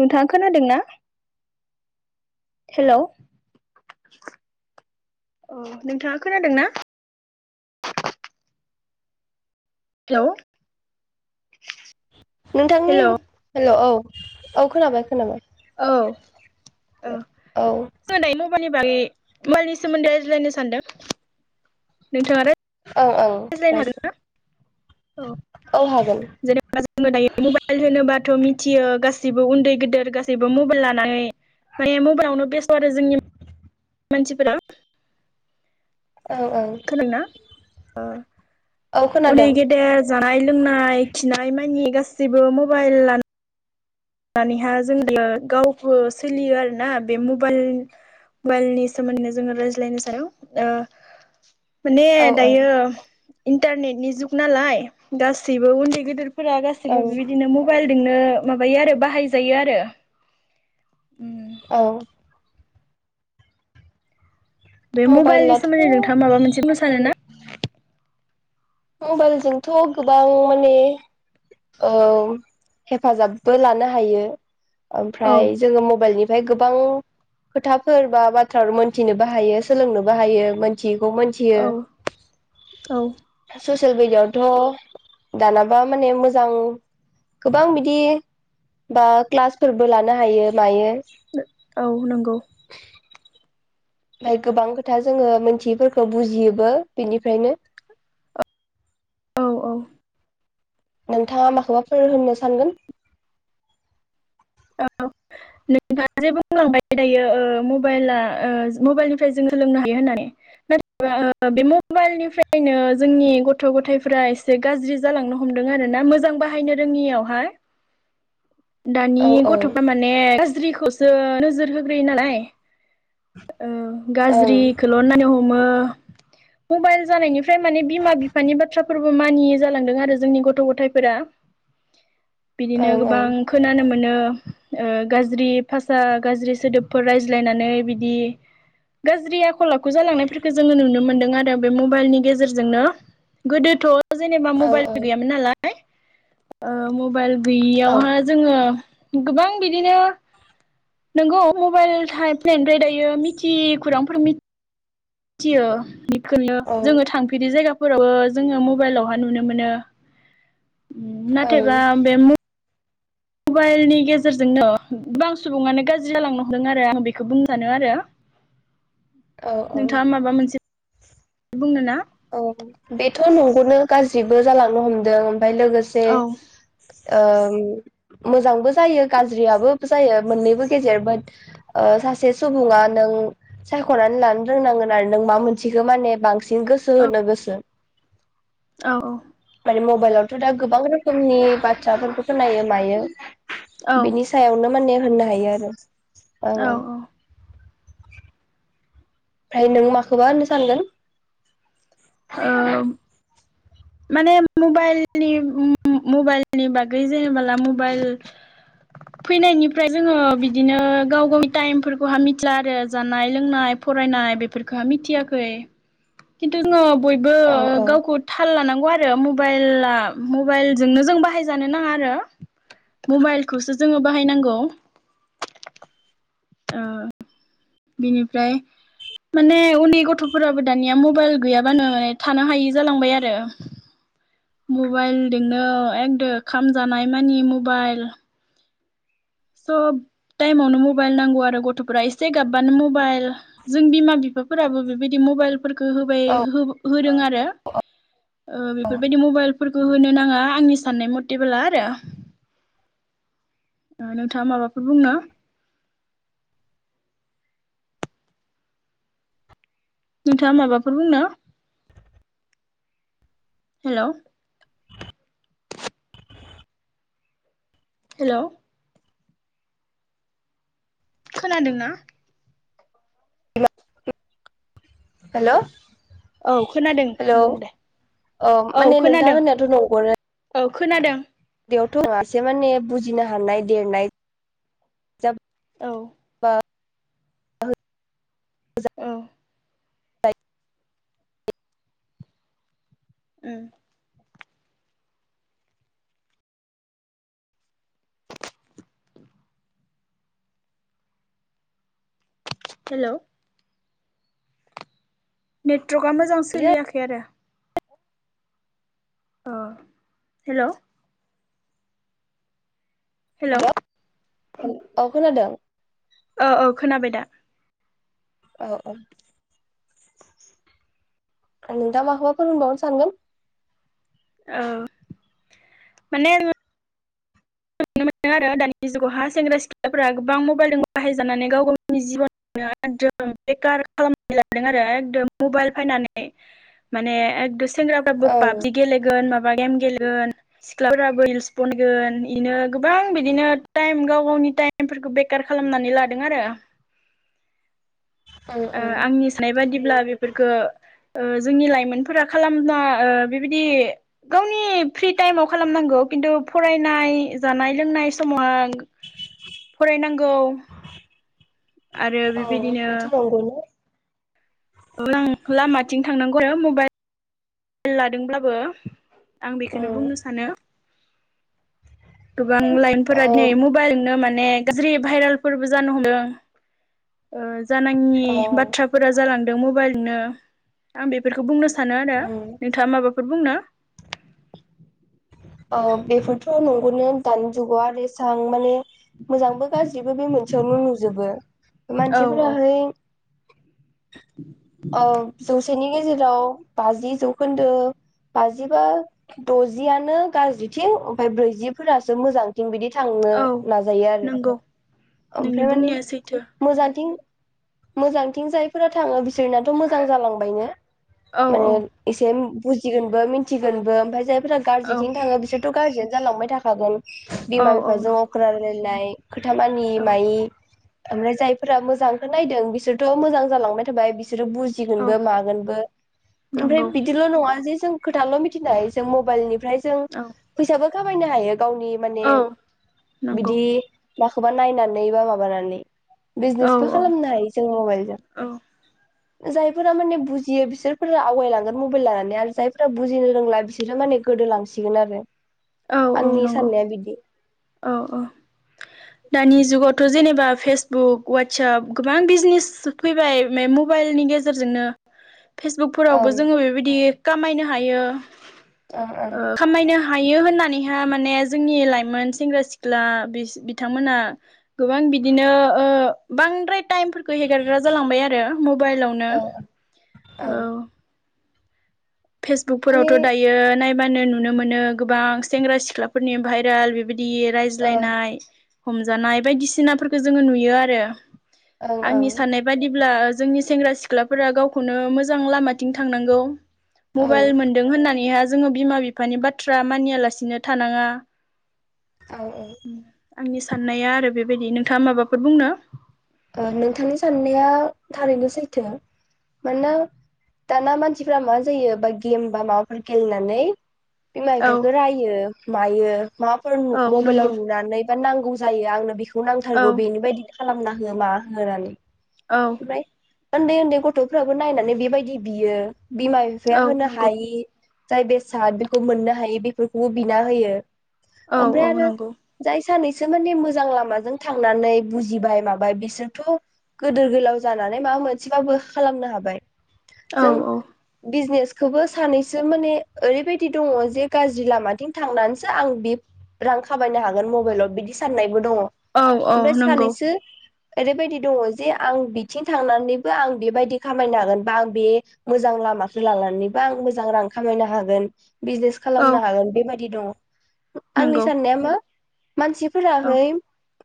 नोंथाङा खोनादोंना हेलौ औ नोंथाङा खोनादों ना हेलौ नोंथांनि हेलौ औ औ खोनाबाय खोनाबाय औ ओ औ जों दायो मबाइलनि बागै मबाइलनि सोमोनदै रायज्लायनो सानदों [unintelligible] औ औ रायज्लायनो रायज हागोन ना औ जेनेबा जोङो दायो मबाइल होनोबाथ' मिथि मिथियो गासैबो उन्दै गेदेर गासैबो मबाइल लानानै माने मबाइलावनो बेस्थ' आरो जोंनि मानसिफोरा औ औ उनदै खोनादों गेदेर जानाय लोंनाय खिनाय मानि गासिबो मबाइल लानो लानानैहा जों बे गावखौ सोलियो आरोना बे मबाइल मबाइलनि सोमोन्दै जोङो रायज्लायनो सानो माने औ औ दायो इन्टारनेटनि जुग नालाय गासैबो उन्दै गेदेर फोरा गासिबो ओं बिबायदिनो मबाइल जोंनो माबायो आरो बाहाय जायो आरो औ बे मबाइलनि मबाइलाथ' सोमोन्दै नोंथाङा माबा मोनसे मोसानो ना? मबाइलजोंथ' गोबां माने हेफाजाबबो लानो हायो। औ ओमफ्राय जोङो मबाइलनि गोबां खोथाफोर बा बाथ्राफोर मोनथिनोबो हायो सोलोंनोबो हायो मोनथि खौ मोनथियो। औ औ ससियेल मिडियाआवथ' दानाबा माने मोजां गोबां बिदि बा क्लासफोरबो लानो हायो मायो औ नंगौ ओमफ्राय गोबां खोथा जोङो मोनथियैफोरखौ बुजियोबो बेनिफ्रायनो औ औ नोंथाङा माखौबा फोरों होननो सानगोन। औ नोंथाङा जे बुंलांबाय दायो मबाइला मबाइलनिफ्राय जों सोलोंनो हायो होननानै नाथायबा बे मबाइलनिफ्रायनो जोंनि गथ' गथायाइफ्रा एसे गाज्रि जालांनो हमदों आरो ना मोजां बाहायनो रोङियावहाय दानि औ औ गथ'फ्रा माने गाज्रि नोजोर होग्रोयो नालाय ओं गाज्रिखौल' नायनो हमो मबाइल जानायनिफ्राय ओमफ्राय माने बिमा बिफानि बाथ्रा फोरबो मानियै जालांदों आरो जोंनि गथ' गथायफोरा बिदिनो ओं गोबां ओं खोनानो मोनो। गाज्रि भाषा गाज्रि सोदोबफोर रायज्लायनानै बिदि गाज्रि आखल आखु जालांनायफोरखौ जोङो नुनो मोनदों आरो बे मबाइलनि गेजेरजोंनो गोदोथ' जेनेबा औ मबाइलबो गैयामोन नालाय ओ मबाइल मबाइल औ गैयियावहा जोङो गोबां बिदिनो नोंगौ मबाइल थानायनायनिफ्राय दायो मिथि खौरांफोर थियो [unintelligible] औ जोङो थांफेरि जायगा फोरावबो जोङो मबाइलावहा नुनो मोनो। नाथायबा ओं बे मबाइलनि गेजेरजोंनो गोबां सुबुङानो गाज्रि जालांनो हमदों आरो आं बेखौ बुंजानो आरो औ औ नोंथाङा माबा मोनसे बुंनो ना? औ बेथ' नंग'नो गाज्रिबो जालांनो हमदों ओमफाय लोगोसे औ ओ मोजांबो जायो गाज्रियाबो जायो मोननैबो गेजेर बाट सासे सुबुङा नों सायख'नानै लानो रोंनांगोन आरो नों मा मोनसेखो माने बांसिन सोहोनो गोसो औ औ मबाइलावथ' दा गोबां रोखोमनि बाथ्राफोरखौ खोनायो मायो औ बिनि सायावनो माने होननो हायो आरो औ औ ओमफ्राय नों माखोबा होननो सानगोन? आ माने मबाइलनि मबाइलनि बागै जेनेबला मबाइल फैनायनि ओमफ्राय जोङो बिदिनो गाव गावनि टाइमफोरखौ हा मिथिला आरो जानाय लोंनाय फरायनाय बेफोरखौ मिथियाखै खिन्थु जोङो बयबो औ औ गावखौ थाल लानांगौ आरो मबाइजोंनो जों बाहाय जानो नाङा आरो मबाइलखौसो जोङो बाहायनांगौ ओ बिनिफ्राय माने उन्दै गथ'फोराबो दानिया मबाइल गैयाबानो माने थानो हायि जालांबाय आरो मबाइलजोंनो एकद' खामजानाय मानि मबाइल सब टाइमावनो मबाइल नांगौ आरो गथ'फोरा एसे गाबबानो मबाइल जों बिमा बिफाफोराबो बेबायदि मबाइल फोरखौ होबाय औ होदों आरो ओ बेफोरबायदि मबाइल फोरखौ होनो नाङा आंनि साननाय मथेबोला आरो ओ नोंथाङा माबाफोर बुंनो? नोंथाङा माबाफोर बुंनो हेल' हेलौ खोनादोंना? हेल' औ खोनादों हेलौ बुं दे औ माने नोंथां होननायाथ' नंगोनो औ खोनादों बेयावथ' नङासो माने बुजिनो हानाय देरनाय जाब औ औ बाय उम हेलौ नेद ट्रकआ मोजां सोलियाखै आरो औ हेलौ हेलौ हेल औ खोनादों औ औ खोनाबाय दा औ औ नों दा माखौबा होनबावनो सानगोन औ माने नुनो मोनदों आरो दानि जुगावहा सेंग्रा सिख्लाफोरा गोबां मबाइलजों बाहायजानानै गाव गाव गावनि जिबननो एकद बेखार खालामनानै लादों आरो एदम मबाइल फायनानै माने सेंग्राफ्राबो औ पाबजि गेलेगोन मा बा गेम गेलेगोन सिख्लाफोराबो रिलस बनायगोन इदिनो गोबां बिदिनो टाइम गाव गावनि टाइमफोरखौ बेकार खालामनानै लादों आरो औ ओ आंनि साननाय बादिब्ला बे फोरखो ओ जोंनि लाइमोनफोरा खालामना ओ बेबायदि गावनि फ्रि टाइमाव खालामनांगौ खिन्थु फरायनाय जानाय लोंनाय समाव फरायनांगौ आरो औ बेबायदिनो बेथ' नंगौनो [unintelligible] लामाथिं थांनांगौ आरो मबाइल लादोंब्लाबो आं बेखौनो बुंनो सानो गोबां लाय औ [unintelligible] माने गाज्रि भाइरेलफोरबो जानो हमदों ओ जानाङि औ बाथ्राफोरा जालां दों मबाइलजोंनो आं बेफोरखो बुंनो सानो औ आरो माबाफोर बुंनो अ बेफोरथ नंगौनो दानि जुगाव आरोे एसां माने मोजांबो गाज्रिबो बे मोनसेयावनो नु जोबो औ औ मानसिफोराहाय अ जौसेनि नि गेजेराव बाजि जौखोन्दो बाजिबा द'जिआनो गाज्रिथिं ओमफ्राय ब्रैजिफोरासो मोजांथिं बिदि थांनो औ नाजायो आरो नंगौ नोंनि ओमफ्राय माने बुंनाया सैथो मोजांथिं मोजांथिं जायफोरा थाङो बि सोरनाथ' मोजां जालांबायनो औ माने औ एसे बुजिगोनबो मिन्थिगोनबो ओमफ्राय जाय फोरा औ गाज्रिथिं थाङो बिसोर थ' गाज्रियानो जालांबाय थाखागोन औ बिमा औ बिफाजों नंगौ अख्रा रायलायनाय खोथा मानियि औ मायि ओमफ्राय जायफोरा मोजांखौ नायदों बिसोरथ' मोजां जालांबाय थाबाय बिसोरो औ बुजिगोनबो मागोनबो ओमफ्राय नंगौ बिदिल' नङा जे जों खोथाल' मिथिनाय जों मबाइलनि ओमफ्राय जों औ फैसाबो खामायनो हायो गावनि माने औ नंगौ बिदि माखौबा नायनानै बा माबानानै औ बिजनेसबो औ खालामनो हायो जों मबाइलजों औ जायफोरा माने बुजियो बिसोरफोरा आवगायलांगोन मबाइल लानानै आरो जायफोरा बुजिनो रोंला बिसोरो माने गोदोलांसिगोन आरो औ औ आंनि नंगौ साननाया बिदि औ औ दानि जुगावथ' जेनेबा फेसबुक वाटसप गोबां बिजनेस फैबाय बे मबाइलनि गेजेरजोंनो ओं फेसबुकफोरावबो जोङो बेबायदि खामायनो हायो ओं ओ ओं खामायनो हायो बियो होननानैहाय माने जोंनि लाइमोन सेंग्रा सिख्ला बिथांमोनहा गोबां बिदिनो ओ बांद्राय टाइमफोरखौ हेगारग्रा जालांबाय आरो मबाइलावनो औ औ ओं माने फेसबुकफोरावथ' दायो नाय मा होनो नुनो मोनो गोबां सेंग्रा सिख्लाफोरनि भाइरेल बेबायदि दि ओं रायज्लायनाय हमजानाय बायदिसिना फोर खौ जोङो नुयो आरो ओं ओं आंनि साननाय बायदिब्ला जोंनि सेंग्रा सिख्लाफोरा गावखौनो मोजां लामाथिं थांनांगौ मबाइल औ मोनदों होननानैहाय जोङो बिमा बिफानि बाथ्रा मानियालासिनो थानाङा औ औ आंनि साननाया आरो बेबायदि नोंथाङा माबाफोर बुंनो ओ नोंथांनि साननाया थारैनो सैथो मानोना दाना मानसिफ्रा मा जायो बा गेम बा माबाफोर गेलेनानै बिमा औ बिफाखौ रायो मायो माबाफोर औ मबाइलाव नंगौ नुनानै बा नांगौ जायो आंनो बेखौ औ नांथारगौ बेनि बायदि खालामना [unintelligible] मा होनानै औ उनदै उनदै गथ'फ्राबो नायनानै बेबायदि बियो बिमा बिफाया औ होनो नंगौ हायि जाय बेसाद बेखौ मोननो हायि बेफोरखौबो बिना होयो औ ओमफ्राय औ आरो नंगौ जाय सानैसो माने मोजां लामाजों थांनानै बुजिबाय माबाय बिसोरथ' गोदोर गोलाव जानानै माबा मोनसेबाबो खालामनो हाबाय औ जों औ बिजनेस खौबो सानैसो माने ओरैबायदि दङ जे गाज्रि लामाथिं थांनानैसो आं बे रां खामायनो हागोन मबाइलाव बिदि साननायबो दङ औ औ ओमफ्राय नंगौ सानैसो ओरैबायदि दङ जे आं बिथिं थांनानैबो आं बेबायदि खामायनो हागोन बा आं बे मोजां लामाखौ लानानैबो आं मोजां रां खामायनो हागोन बिजनेस औ खालामनो हागोन बेबायदि दङ आंनि नंगौ साननाया मा औ मानसिफोराहाय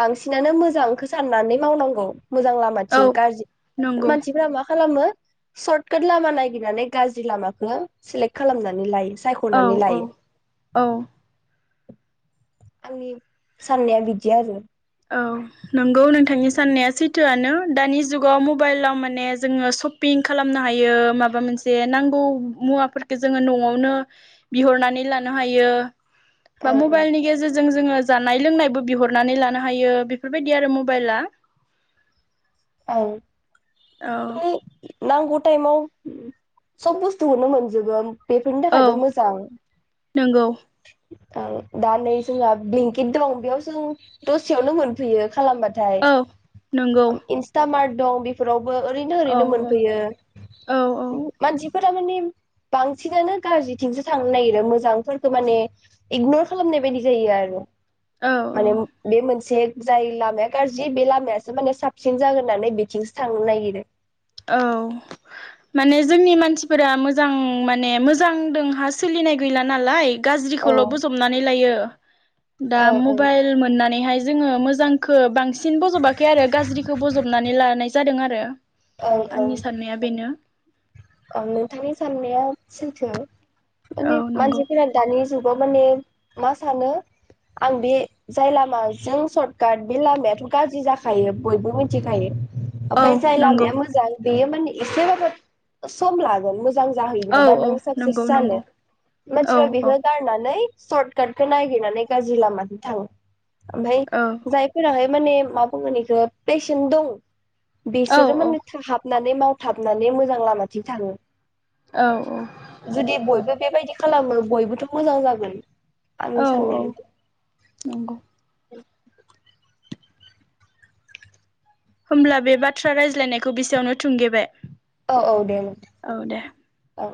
बांसिनानो मोजांखौ साननानै मावनांगौ मोजां औ लामाथिं गाज्रि नंगौ मानसिफोरा मा खालामो शर्ट काट लामा नायागिरनानै गाज्रि लामाखौ सेलेक्ट खालामनानै लायो औ सायख'नानै औ लायो औ आंनि साननाया बिदि आरो औ नंगौ नोंथांनि साननाया सैथोआनो दानि जुगाव मबाइलाव माने जोङो सपिं खालामनो हायो माबा मोनसे नांगौ मुवाफोरखौ जोङो न'आवनो बिहरनानै लानो हायो बा ओं ओं मबाइल गेजेर जों जोङो जानाय लोंनायबो बिहरनानै लानो हायो बेफोरबादि आरो मबाइला औ औ नांगौ टाइमाव सब बुस्थुखौनो मोनजोबो बेफोरनि औ थाखायबो मोजां नंगौ दा नै जोंहा ब्लेंकेट दं बेयाव जों दसेयावनो मोनफैयो खालामबाथाय औ नंगौ दं बेफोराव ओरैनो औ औरोनो औ मोनफैयो औ मानसि बेफोर माने बांसिनानो गाज्रिथिंसो थांनो नागिरो मोजांफोरखौ माने इगनर खालामनाय बायदि जायो आरो औ माने औ बे मोनसे जाय लामाया गाज्रि बे लामायासो माने साफ साबसिन जागोन होन्नानै बेथिंसो थांनो नागिरो। औ माने जोंनि मानसिफोरा मोजां माने मोजांदोंहा सोलिनाय गैला नालाय। औ गाज्रिखौल' बजबनानै लायो। दा औ औ मबाइल मोननानै मोननानैहाय जोङो मोजांखौ बांसिन बज'बाखै आरो गाज्रिखौ बज'बनानै लानाय जादों आरो। औ औ आंनि साननाया बेनो औ नोंथांनि साननाया सैथो माने औ नंगौ मानसिफोरा दानि जुगाव माने मा सानो आं बे जाय लामाजों सर्टकाट बे लामायाथ' गाज्रि जाखायो बयबो मिथिखायो। औ ओमफ्राय जाय नंगौ लामाया मोजां। बेैयो माने इसे बाबो सम लागोन- मोजां जाहैनो औ बा औ नों साकसेस नंगौ जानो नंगौ औ मानसिफ्रा बेखौ गारनानै। सशर्ट काटखौ नागिरनानै गाज्रि लामाजों थाङो। ओमफाय औ जायफोराहाय माने मा बुङो बेखौ पेसेन दं। बिसोरो माने औ थाब- नानै मावथाबनानै मोजां लामा थिं थाङो। औ जुदि बयबो बेबायदि खालामो बयबोथ' मोजां जागोन। आंनि औ साननाय औ नंगौ होमब्ला बे बाथ्रा रायज्लायनायखौ बेसेयावनो थुंगेबाय। औ औ दे औ दे औ